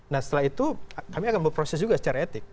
nah setelah itu kami akan berproses juga secara etik